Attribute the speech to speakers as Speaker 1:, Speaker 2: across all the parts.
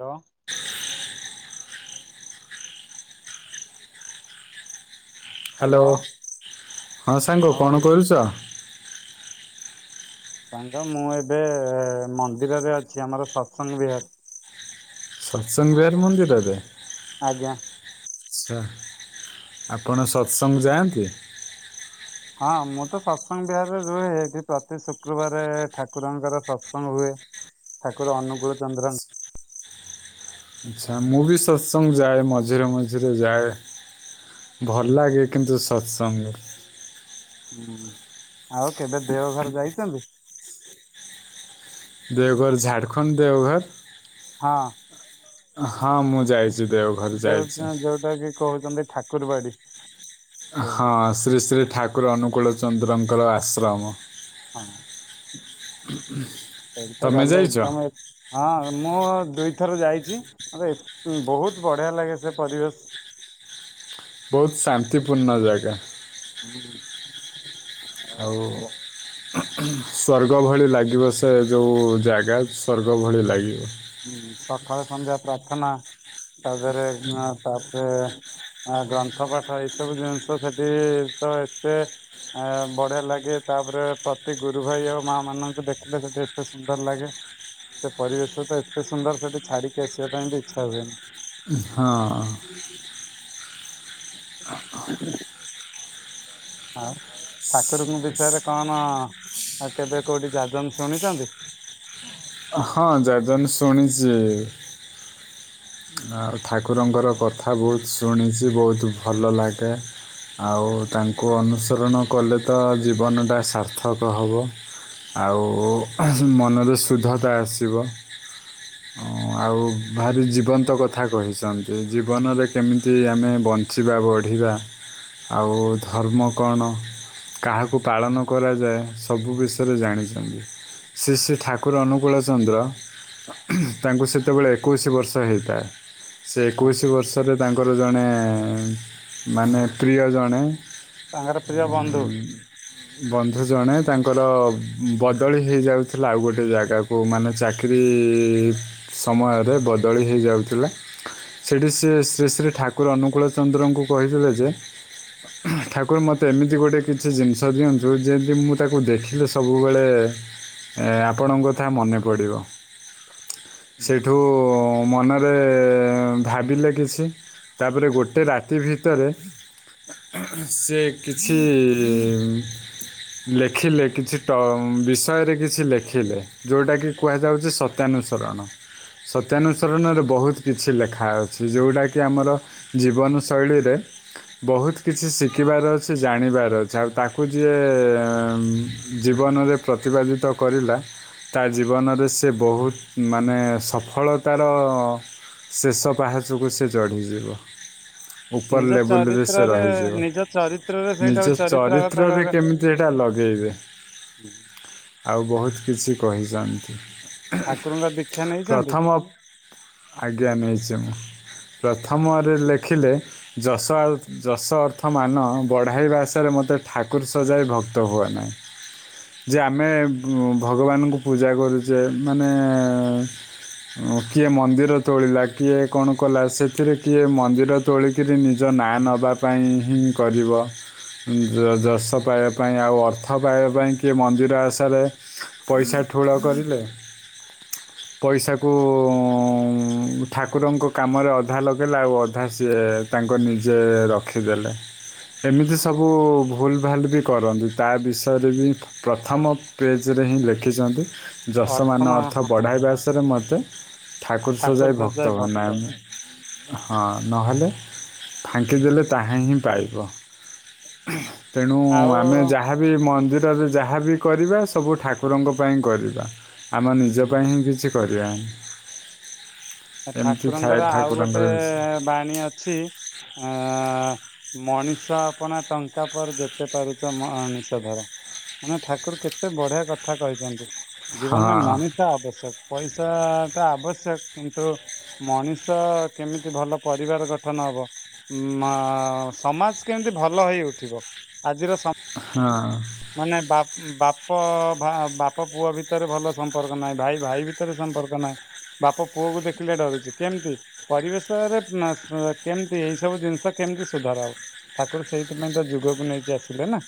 Speaker 1: Hello.
Speaker 2: [unintelligible] Hello ହଁ ସାଙ୍ଗ କଣ କରୁଛ?
Speaker 1: ସାଙ୍ଗ ମୁଁ ଏବେ ମନ୍ଦିରରେ ଅଛି ଆମର ସତ୍ସଙ୍ଗ ବିହାର।
Speaker 2: ସତ୍ସଙ୍ଗ ବିହାର ମନ୍ଦିରରେ?
Speaker 1: ଆଜ୍ଞା।
Speaker 2: ଆଛା ଆପଣ ସତ୍ସଙ୍ଗ ଯାଆନ୍ତି?
Speaker 1: ହଁ ମୁଁ ତ ସତ୍ସଙ୍ଗ ବିହାରରେ ରୁହେ ଏଠି ପ୍ରତି ଶୁକ୍ରବାର ଠାକୁରଙ୍କର ସତ୍ସଙ୍ଗ ହୁଏ। ଠାକୁର ଅନୁକୁଳ ଚନ୍ଦ୍ର
Speaker 2: ଆଚ୍ଛା ମୁଁ ବି ସତ୍ସଙ୍ଗ ଯାଏ ମଝିରେ ମଝିରେ ଯାଏ। ଭଲ ଲାଗେ କିନ୍ତୁ ସତ୍ସଙ୍ଗ
Speaker 1: ହୁଁ ଆଉ କେବେ ଦେଓ ଘର ଯାଇଛନ୍ତି?
Speaker 2: ଦେଓଘର ଝାଡ଼ଖଣ୍ଡ ଦେଓଘର?
Speaker 1: ହଁଅଁ
Speaker 2: ହଁ ମୁଁ ଯାଇଛି ଦେଓଘର। ଯାଇଛି।
Speaker 1: ଯୋଉଟା ଯୋଉଟା କି କହୁଛନ୍ତି ଠାକୁରବାଡି।
Speaker 2: ହଁ
Speaker 1: ଦେଓଘର।
Speaker 2: ଶ୍ରୀ ଶ୍ରୀ ଠାକୁର ଅନୁକୂଳ ଚନ୍ଦ୍ରଙ୍କର ଆଶ୍ରମ।
Speaker 1: ହଁ [unintelligible]
Speaker 2: [inaudible]
Speaker 1: ସେଠି ତ ଗଲେ
Speaker 2: ଯାଇଛ?
Speaker 1: ଏକଦମ, ହଁ ମୁଁ ଦୁଇଥର ଯାଇଛି ମତେ ବହୁତ ବଢ଼ିଆ ଲାଗେ ସେ ପରିବେଶ।
Speaker 2: ବହୁତ ଶାନ୍ତିପୂର୍ଣ୍ଣ ଜାଗା।
Speaker 1: ହୁଁ ହୁ [unintelligible]
Speaker 2: ଆଉ ସ୍ୱର୍ଗ ଭଳି ଲାଗିବ ସେ ଯୋଉ ଜାଗା ସ୍ୱର୍ଗ ଭଳି ଲାଗିବ।
Speaker 1: ସକାଳେ ସନ୍ଧ୍ୟା ପ୍ରାର୍ଥନା ତାପରେ ଆ ତାପରେ, ଆ ଗ୍ରନ୍ଥ ପାଠ ଏଇ ସବୁ ଜିନିଷ ସେଠି ତ ଏତେ, ଆ ବଢିଆ ଲାଗେ ତାପରେ ପ୍ରତି ଗୁରୁ ଭାଇ ଆଉ ମା ମାନଙ୍କୁ ଦେଖିଲେ ସେଠି ଏତେ ସୁନ୍ଦର ଲାଗେ। ସେ ପରିବେଶ ତ ଏତେ ସୁନ୍ଦର ସେଠି ଛାଡିକି ଆସିବା ପାଇଁ ବି ଇଚ୍ଛା ହୁଏନି।
Speaker 2: ହଁ
Speaker 1: [unintelligible] ହଁ [unintelligible] ଠାକୁରଙ୍କ ବିଷୟରେ କଣ କେବେ କୋଉଠି ଯାଜନ ଶୁଣିଛନ୍ତି?
Speaker 2: ହଁ ଯାଜନ ଶୁଣିଛି। ଆଉ ଠାକୁରଙ୍କର କଥା ବହୁତ ଶୁଣିଛି ବହୁତ ଭଲ ଲାଗେ। ଆଉ ତାଙ୍କୁ ଅନୁସରଣ କଲେ ତ ଜୀବନଟା ସାର୍ଥକ ହବ। ଆଉ ମନରେ ଶୁଦ୍ଧତା ଆସିବ।
Speaker 1: [inaudible]
Speaker 2: ଆଉ ଭାରି ଜୀବନ୍ତ କଥା କହିଛନ୍ତି ଜୀବନରେ କେମିତି ଆମେ ବଞ୍ଚି ଞ୍ଚିବା ବଢ଼ିବା ଆଉ ଧର୍ମ କଣ? କାହାକୁ ପାଳନ କରାଯାଏ ସବୁ ବିଷୟରେ ଜାଣିଛନ୍ତି ଶ୍ରୀ ଶ୍ରୀ ଠାକୁର ଅନୁ ଅନୁକୂଳ ଚନ୍ଦ୍ର ତାଙ୍କୁ ସେତେବେଳେ ଏକୋଇଶ ବର୍ଷ ହେଇଥାଏ, ସେ
Speaker 1: ହଁ
Speaker 2: ଏକୋଇଶ ବର୍ଷରେ ତାଙ୍କର ଜଣେ ମାନେ ପ୍ରିୟ ଜଣେ,
Speaker 1: ତାଙ୍କର ପ୍ରିୟ ବନ୍ଧୁ।
Speaker 2: ବନ୍ଧୁ ଜଣେ ତାଙ୍କର ବଦଳି ହେଇଯାଉଥିଲା ଆଉ ଗୋଟେ ଜାଗାକୁ। ଯଉ ମାନେ ଚାକିରୀ ସମୟରେ ବଦଳି ହେଇଯାଉଥିଲେ। ସେଠି ସେ ଶ୍ରୀ ଶ୍ରୀ ଠାକୁର ଅନୁକୂଳ ଚନ୍ଦ୍ରଙ୍କୁ କହିଥିଲେ ଯେ, ଠାକୁର ମୋତେ ଏମିତି ଗୋଟେ କିଛି ଜିନିଷ ଦିଅନ୍ତୁ ଯେମିତି ମୁଁ ତାକୁ ଦେଖିଲେ ସବୁବେଳେ ଆପଣଙ୍କ କଥା ମନେ ପଡିବ। ସେଇଠୁ ମନ ରେ ଭାବିଲେ କିଛି ତାପରେ ଗୋଟେ ରାତି ଭିତରେ ସେ କିଛି ଲେଖିଲେ କିଛି ଟ ବିଷୟରେ କିଛି ଲେଖିଲେ। ଯଉଟାକି କୁହାଯାଉଛି ସତ୍ୟାନୁସରଣ। ସତ୍ୟାନୁସରଣରେ ବହୁତ କିଛି ଲେଖା ଅଛି ଯଉଟାକି ଆମର ଜୀବନ ଶୈଳୀରେ ବହୁତ କିଛି ଶିଖିବାର ଅଛି ଜାଣିବାର ଅଛି ଆଉ ତାକୁ ଯିଏ ଜୀବନରେ ପ୍ରତିପାଦିତ କରିଲା। ତା ଜୀବନରେ ସେ ବହୁତ ମାନେ ସଫଳତାର ଶେଷ ପାହାଚକୁ ସେ ଚଢ଼ିଯିବ।
Speaker 1: ନିଜ
Speaker 2: ଉପର ଲେବୁଲ ରେ ସେ
Speaker 1: ଚରିତ୍ରରେ
Speaker 2: ରହିଯିବ
Speaker 1: ନିଜ ଚରିତ୍ରରେ ସେଇଟାକୁ
Speaker 2: ନିଜ
Speaker 1: ଚରିତ୍ରାଗତ
Speaker 2: ଚରିତ୍ରରେ କେମିତି ଯେଟା ଲଗେଇବେ।
Speaker 1: ହୁଁ
Speaker 2: ଆଉ ବହୁତ କିଛି କହିଛନ୍ତି
Speaker 1: ଠାକୁରଙ୍କ ଦୀକ୍ଷା ନେଇଛନ୍ତି
Speaker 2: ପ୍ରଥମ ଆଜ୍ଞା ନେଇଛି ମୁଁ ପ୍ରଥମରେ ଲେଖିଲେ ଯଶ ଯଶ ଅର୍ଥ ମାନ ବଢ଼ାଇବା ଆସାରେ ମୋତେ ଠାକୁର ସଜାଇ ଭକ୍ତ ହୁଅନାହିଁ ଯେ ଆମେ ଭଗବାନଙ୍କୁ ପୂଜାକରୁଛେ ମାନେ କିଏ ମନ୍ଦିର ତୋଳିଲା କିଏ କଣ କଲା ସେଥିରେ କିଏ ମନ୍ଦିର ତୋଳିକିରି ନିଜ ନାଁ ନେବା ପାଇଁ ହିଁ କରିବ। ଯ ଯଶ ପାଇବା ପାଇଁ ଆଉ ଅର୍ଥ ପାଇବା ପାଇଁ କିଏ ମନ୍ଦିର ଆସାରେ ପଇସା ଠୁଳ କରିଲେ ପଇସାକୁ ଠାକୁରଙ୍କ କାମରେ ଅଧା ଲଗାଇଲେ ଆଉ ଅଧା ସିଏ ତାଙ୍କ ନିଜେ ରଖିଦେଲେ। ଏମିତି ସବୁ ଭୁଲ ଭାଲ ବି କରନ୍ତି ତା ବିଷୟରେ ବି ପ୍ରଥମ ପେଜରେ ହିଁ ଲେଖିଛନ୍ତି। ଯଶମାନ
Speaker 1: ମା
Speaker 2: ଅର୍ଥ
Speaker 1: ହଁ
Speaker 2: ବଢ଼ାଇବାସରେ ମୋତେ ଠାକୁର
Speaker 1: ଠାକୁର
Speaker 2: ସଜାଇ
Speaker 1: ସଜାଏ
Speaker 2: ଭକ୍ତ ଭନାମେ ହଁ ନହେଲେ ଫାଙ୍କିଦେଲେ ତାହାହିଁ ପାଇବ। ତେଣୁ ଆମେ ଯା
Speaker 1: ଆଉ
Speaker 2: ଯାହାବି ମନ୍ଦିରରେ ଯାହାବି କରିବା ସବୁ ଠାକୁରଙ୍କ ପାଇଁ କରିବା ଆମ ନିଜ ପାଇଁ କିଛି କରିବାନି। ଏମିତି ଥାଏ
Speaker 1: ଠାକୁରଙ୍କର ଆଉ ଗୋଟେ
Speaker 2: ଠାକୁରଙ୍କର ବିଷୟ
Speaker 1: ବାଣୀ ଅଛି ଅ ମଣିଷ ଆପଣ ଟଙ୍କା ପରେ ଯେତେ ପାରୁଛ ମଣିଷ ଧର ମାନେ ଠାକୁର କେତେ ବଢିଆ କଥା କହିଛନ୍ତି।
Speaker 2: ହଁ
Speaker 1: ଜୀବନରେ ମଣିଷ ଆବଶ୍ୟକ ପଇସା ଟା ଆବଶ୍ୟକ କିନ୍ତୁ ମଣିଷ କେମିତି ଭଲ ପରିବାର ଗଠନ ହବ ମ୍ ସମାଜ କେମିତି ଭଲ ହେଇ ଉଠିବ ଆଜିର ସ
Speaker 2: ହଁ।
Speaker 1: ମାନେ ବା ବାପ ବାପ ପୁଅ ଭିତରେ ଭଲ ସମ୍ପର୍କ ନାହିଁ ଭାଇ ଭାଇ ଭିତରେ ସମ୍ପର୍କ ନାହିଁ। ବାପ ପୁଅ କ ଦେଖିଲେ ଡରୁଛି କେମତି? ପରିବେଶରେ କେମତି ଏଇ ସବୁ ଜିନିଷ କେମିତି ସୁଧାର ଆଉ? ଠାକୁର ସେଇଥିପାଇଁ ତ ଯୁଗକୁ ନେଇକି ଆସିଲେ ନା।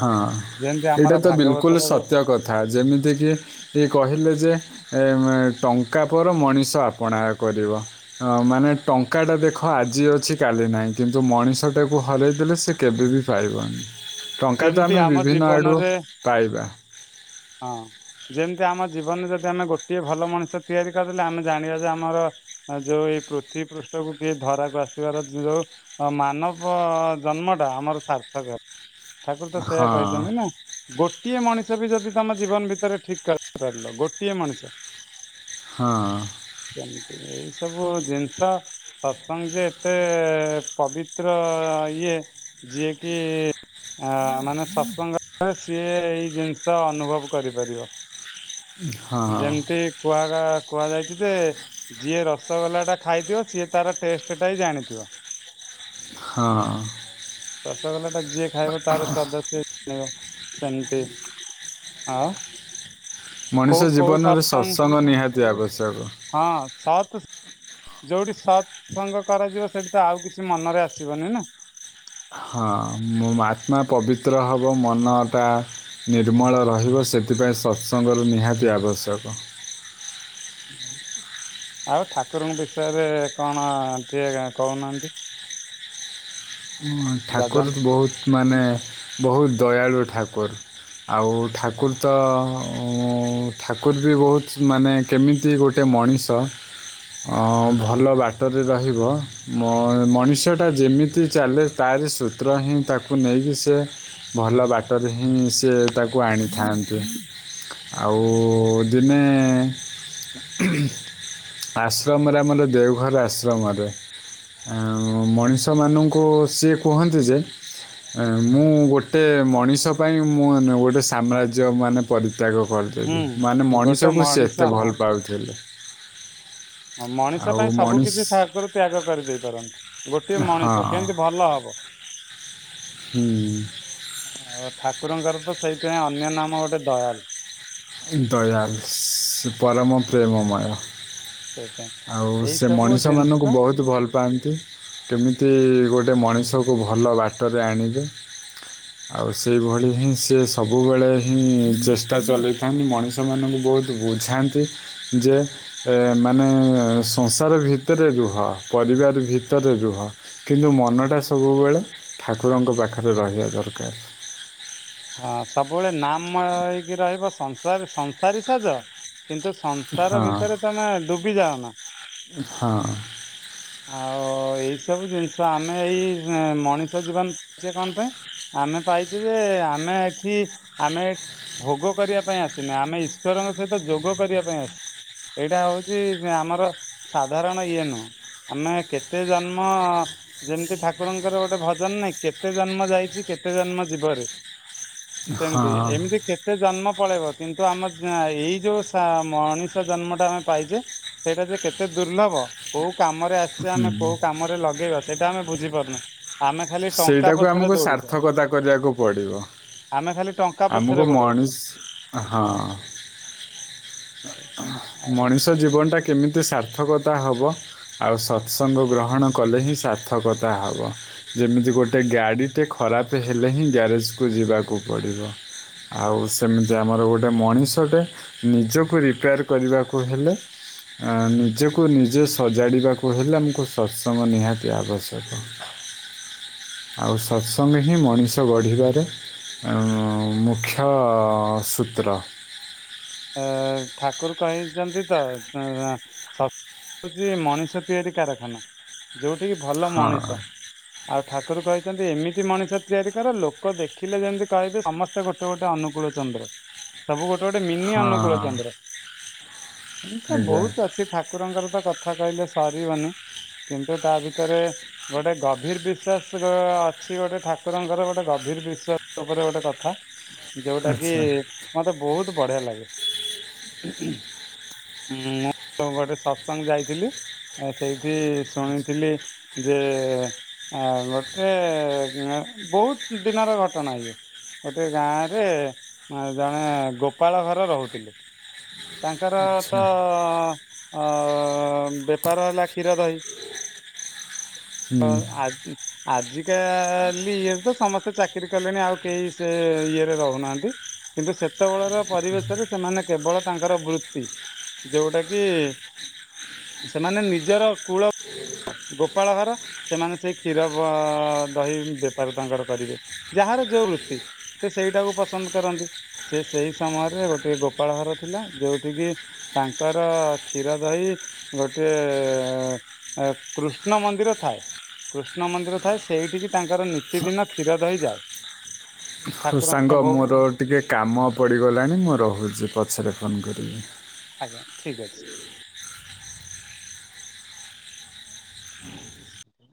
Speaker 2: ହଁ
Speaker 1: ଯେମିତି ଆମର
Speaker 2: ଏଇଟା ତ ବିଲକୁଲ
Speaker 1: ଭାଗବତର
Speaker 2: ସତ୍ୟ କଥା ଯେମିତିକି ଇଏ କହିଲେ ଯେ ଏ ଟଙ୍କା ପରେ ମଣିଷ ଆପଣା କରିବ। ଅ ମାନେ ଟଙ୍କା ଟା ଦେଖ ଆଜି ଅଛି କାଲି ନାହିଁ କିନ୍ତୁ ମଣିଷ ଟାକୁ ହରାଇ ଦେଲେ ସେ କେବେ ବି ପାଇବନି। ଟଙ୍କା ତ
Speaker 1: ଯେମିତି
Speaker 2: ଆମେ
Speaker 1: ଆମ
Speaker 2: ବିଭିନ୍ନ ଆଡ଼ୁ
Speaker 1: ଜୀବନରେ
Speaker 2: ପାଇବା
Speaker 1: ହଁ ଯେମିତି ଆମ ଜୀବନରେ ଯଦି ଆମେ ଗୋଟିଏ ଭଲ ମଣିଷ ତିଆରି କରିଦେଲେ ଆମେ ଜାଣିବା ଯେ ଆମର ଆ ଯୋଉ ଏଇ ପୃଥିବୀ ପୃଷ୍ଠକୁ କିଏ ଧରାକୁ ଆସିବାର ଯୋଉ ଅ ମାନବ ଜନ୍ମଟା ଆମର ସାର୍ଥକରେ ଠାକୁର ତ ସେୟଆ
Speaker 2: ହଁ
Speaker 1: କହିଛନ୍ତି ନା। ଗୋଟିଏ ମଣିଷ ବି ଯଦି ତମ ଜୀବନ ଭିତରେ ଠିକ କରି ପାରିଲ ଗୋଟିଏ ମଣିଷ।
Speaker 2: ହଁ।
Speaker 1: ସେମିତି ଏଇ ସବୁ ଜିନିଷ। ସତ୍ସଙ୍ଗ ଯେ ଏତେ ପବିତ୍ର ଇଏ ଯିଏ କିି ମାନେ ସତ୍ସଙ୍ଗରେ ସିଏ ଏଇ ଜିନିଷ ଅନୁଭବ କରିପାରିବ।
Speaker 2: ହଁ
Speaker 1: ଯେମତି କୁହାଗା କୁହାଯାଇଛି ଯେ ଯିଏ ରସଗୋଲା ଟା ଖାଇଥିବ ସିଏ ତାର ଟେଷ୍ଟ ଟା ହିଁ ଜାଣିଥିବ।
Speaker 2: ହଁ
Speaker 1: ରସଗୋଲା ଟା ଯିଏ ଖାଇବ ତାର ସ୍ଵାଦ ସେ ଜାଣିବ ସେମିତି ଆଉ। କୋଉ
Speaker 2: ମଣିଷ
Speaker 1: କୋଉ
Speaker 2: ଜୀବନରେ ସତ୍ସଙ୍ଗ ନିହାତି ଆବଶ୍ୟକ।
Speaker 1: ହଁ ସାତ୍ ଯୋଉଠି ସତ୍ ସଙ୍ଗ କରାଯିବ ସେଠି ତ ଆଉ କିଛି ମନରେ ଆସିବନି ନା।
Speaker 2: ହଁ ମୋ ଆତ୍ମା ପବିତ୍ର ହବ ମନ ଟା ନିର୍ମଳ ରହିବ ସେଥିପାଇଁ ସତ୍ ସଙ୍ଗର ନିହାତି ଆବଶ୍ୟକ।
Speaker 1: ଆଉ ଠାକୁରଙ୍କ ବିଷୟରେ କଣ ଟିକିଏ କହୁନାହାନ୍ତି। ଯାଜନ୍
Speaker 2: ଠାକୁର ବହୁତ ମାନେ ବହୁତ ଦୟାଳୁ ଠାକୁର। ଆଉ ଠାକୁର ତ ଠାକୁର ବି ବହୁତ ମାନେ କେମିତି ଗୋଟେ ମଣିଷ ଭଲ ବାଟରେ ରହିବ ମଣିଷଟା ଯେମି ମିତି ଚାଲେ ତାରି ସୂତ୍ର ହିଁ ତାକୁ ନେଇକି ସେ ଭଲ ବାଟରେ ହିଁ ସେ ତାକୁ ଆଣିଥାନ୍ତି। ଆଉ ଦିନେ ଆଶ୍ରମରେ ଆମର ଦେଓଘର ଆଶ୍ରମରେ ଆ ମଣିଷ ମାନଙ୍କୁ ସିଏ କୁହନ୍ତି ଯେ ମୁଁ ଗୋଟେ ମଣିଷ ପାଇଁ ମୁଁ ଗୋଟେ ସାମ୍ରାଜ୍ୟ ମାନେ ପରିତ୍ୟାଗ କରିଦେବି ମାନେ
Speaker 1: ହୁଁ ଗୋଟେ
Speaker 2: ମଣିଷକୁ ସେ
Speaker 1: ମଣିଷ
Speaker 2: ଏତେ
Speaker 1: ହଁ।
Speaker 2: ଭଲ ପାଉଥିଲେ।
Speaker 1: ହଁ ମଣିଷ
Speaker 2: ଆଉ
Speaker 1: ପାଇଁ ସବୁ
Speaker 2: ମଣିଷ
Speaker 1: କିଛି ଠାକୁରୁ ତ୍ୟାଗ କରିଦେଇ ପାରନ୍ତି। ଗୋଟିଏ
Speaker 2: ହଁ
Speaker 1: ମଣିଷ କେମିତି ଭଲ ହବ?
Speaker 2: ହୁଁ,
Speaker 1: ଆଉ ଠାକୁରଙ୍କର ତ ସେଇଥିପାଇଁ ଅନ୍ୟ ନାମ ଗୋଟେ ଦୟାଳୁ।
Speaker 2: ଦୟାବିଶ ପରମ ପ୍ରେମମାୟା।
Speaker 1: ସେଇଥିପାଇଁ
Speaker 2: ଆଉ
Speaker 1: ଏଇ
Speaker 2: ସେ
Speaker 1: ସବୁ
Speaker 2: ମଣିଷ
Speaker 1: ଜିନିଷ
Speaker 2: ମାନଙ୍କୁ ବହୁତ ଭଲ ପାଆନ୍ତି କେମିତି ଗୋଟେ ମଣିଷକୁ ଭଲ ବାଟରେ ଆଣିବେ। ଆଉ ସେଇଭଳି ହିଁ ସେ ସବୁବେଳେ ହିଁ ଚେଷ୍ଟା ଚଲେଇ କାହିଁକି ମଣିଷମାନଙ୍କୁ ବହୁତ ବୁଝାନ୍ତି ଯେ ଏ ମାନେ ସଂସାର ଭିତରେ ରୁହ ପରିବାର ଭିତରେ ରୁହ। କିନ୍ତୁ ମନଟା ସବୁବେଳେ ଠାକୁରଙ୍କ ପାଖରେ ରହିବା ଦରକାର।
Speaker 1: ହଁ ସବୁବେଳେ ନାମ ହେଇକି ରହିବ ସଂସାରୀ ସଂସାରୀ ସାଜ। କିନ୍ତୁ ସଂସାର
Speaker 2: ହଁ
Speaker 1: ଭିତରେ ତମେ ଡୁବି ଯାଅ ନା।
Speaker 2: ହଁ
Speaker 1: ଆଉ ଏଇ ସବୁ ଜିନିଷ ଆମେ ଏଇ ମଣିଷ ଜୀବନ ଯେ କଣ ପାଇଁ ଆମେ ପାଇଛୁ ଯେ ଆମେ ଏଠି ଆମେ ଭୋଗ କରିବା ପାଇଁ ଆସିନେ ଆମେ ଈଶ୍ୱରଙ୍କ ସହିତ ଯୋଗ କରିବା ପାଇଁ ଆସି ଏଇଟା ହଉଛି ଆମର ସାଧାରଣ ଇଏ ନୁହଁ। ଆମେ କେତେ ଜନ୍ମ ଯେମିତି ଠାକୁରଙ୍କର ଗୋଟେ ଭଜନ ନାଇଁ କେତେ ଜନ୍ମ ଯାଇଛି କେତେ ଜନ୍ମ ଯିବରେ। ସେମତି
Speaker 2: ହଁ
Speaker 1: ଏମିତି କେ ସେ ଜନ୍ମ ପଳେଇବ କିନ୍ତୁ ଆମ ଏଇ ଯୋଉ ସା ମଣିଷ ଜନ୍ମଟା ଆମେ ପାଇଛେ ସେଇଟା ଯେ କେତେ ଦୁର୍ଲଭ କୋଉ କାମରେ ଆସିଛେ ଆମେ କୋଉ କାମରେ ଲଗେଇବା ସେଇଟା ଆମେ ବୁଝିପାରୁନା। ଆମେ ଖାଲି ଟଙ୍କା ପଛରେ ଦୌଡିଛେ।
Speaker 2: କଥା କରିବାକୁ ପଡ଼ିବ
Speaker 1: ଆମେ ଖାଲି ଟଙ୍କା ପଛରେ
Speaker 2: ଆମକୁ
Speaker 1: ଗୋଡଉଛେ।
Speaker 2: ମଣିଷ ହଁ।
Speaker 1: [inaudible]
Speaker 2: ମଣିଷ ଜୀବନ ଟା କେମିତି ସାର୍ଥକତା ହବ। ଆଉ ସତ୍ସଙ୍ଗ ଗ୍ରହଣ କଲେ ହିଁ ସାର୍ଥକତା ହବ। ଯେମିତି ଗୋଟେ ଗାଡି ଟେ ଖରାପ ହେଲେ ହିଁ ଗ୍ୟାରେଜ କୁ ଯିବାକୁ ପଡିବ। ଆଉ ସେମିତି ଆମର ଗୋଟେ ମଣିଷଟେ ନିଜକୁ ରିପେୟାର। କରିବାକୁ ହେଲେ। ଆ ନିଜକୁ ନିଜେ ସଜାଡିବାକୁ ହେଲେ ଆମକୁ ସତ୍ସଙ୍ଗ ନିହାତି ଆବଶ୍ୟକ।
Speaker 1: [unintelligible]
Speaker 2: ଆଉ ସତ୍ସଙ୍ଗ ହିଁ ମଣି ଗଢିବାରେ ଅଁ ମୁଖ୍ୟ ସୂତ୍ର।
Speaker 1: ଏ ଠାକୁର କହିଛନ୍ତି ତ ଏଁ ସ ହଉଛି ମଣିଷ ତିଆରି କାରଖାନା ଯୋଉଠି କି ଭଲ
Speaker 2: ହଁ
Speaker 1: ମଣିଷ। ଆଉ ଠାକୁର କହିଛନ୍ତି ଏମିତି ମଣିଷ ତିଆରି କର ଲୋକ ଦେଖିଲେ ଯେମିତି କହିବେ ସମ ତେ ଗୋଟେ ଗୋଟେ ଅନୁକୂଳ ଚନ୍ଦ୍ର ସବୁ ଗୋଟେ ଗୋଟେ ନି
Speaker 2: ହଁ
Speaker 1: ଅନୁକୂଳ ଚନ୍ଦ୍ର [unintelligible]
Speaker 2: ଆଜ୍ଞା
Speaker 1: ବହୁତ ଅଛି ଠା କୁରଙ୍କର ତ କଥା କହିଲେ ସରିବନି କିନ୍ତୁ ତା ଭିତରେ। ଗୋଟେ ଗଭୀର ବିଶ୍ବାସ ଗ ଅଛି ଗୋଟେ ଠାକୁରଙ୍କର ଗୋଟେ ଗଭୀର ବିଶ୍ବାସ ଉପରେ ଗୋଟେ କଥା। ଯୋଉଟା କି
Speaker 2: ଆଚ୍ଛା
Speaker 1: ମତେ ବହୁତ ବଢିଆ ଲାଗେ। ମୁଁ ଗୋଟେ ସତ୍ସଙ୍ଗ ଯାଇଥିଲି। ଏ ସେଇଠି ଶୁଣିଥିଲି ଯେ ଅଁ ଗୋଟେ ଏଁ ବହୁତ ଦିନର ଘଟଣା ଇଏ ଗୋଟେ ଗାଁ ରେ ଏଁ ଜଣେ ଗୋ ପାଳ ଘର ରହୁଥିଲେ ତାଙ୍କର ତ।
Speaker 2: ଆଚ୍ଛା
Speaker 1: ଅ ବେପାର ହେଲା କ୍ଷୀର, ଦହି
Speaker 2: ହୁଁ
Speaker 1: ତ ଆ ଆଜିକାଲି ଇଏରେ ତ ସମସ୍ତେ ଚାକିରି କଲେଣି ଆଉ କେହି ସେ ଇଏରେ ରହୁନାହାନ୍ତି। କିନ୍ତୁ ସେତେବେଳର ପରିବେଶରେ ସେମାନେ କେବଳ ତାଙ୍କର ବୃ ତି ଯୋଉଟା କି ସେମାନେ ନିଜର କୂଳ। ଗୋପାଳ ଘର ସେମାନେ ସେଇ କ୍ଷୀର ବ ଦହି ବେପାର ତାଙ୍କର କରିବେ। ଯାହାର ଯୋଉ ବୃତ୍ତି ସେ ସେଇଟାକୁ ପସନ୍ଦ କରନ୍ତି ସେ ସେଇ ସମୟରେ ଗୋଟିଏ ଗୋପାଳ ଘର ଥିଲା ଯୋଉଠି କି। ତାଙ୍କର କ୍ଷୀର, ଦହି ଗୋଟେ। ଏ କୃଷ୍ଣ ମନ୍ଦିର ଥାଏ। କୃଷ୍ଣ ମନ୍ଦିର ଥାଏ ସେଇଠିକି ତାଙ୍କର ନିତିଦିନ କ୍ଷୀର, ଦହି ଯାଏ।
Speaker 2: ହଉ
Speaker 1: ଠାକୁରଙ୍କ
Speaker 2: ସାଙ୍ଗ
Speaker 1: ଭୋଗ
Speaker 2: ମୋର ଟିକେ କାମ ପଡ଼ିଗଲାଣି ମୁଁ ରହୁଛି ପଛରେ ଫୋନ କରିବି।
Speaker 1: ଆଜ୍ଞା ଠିକ୍ ଅଛି। ହସ୍ପିଟା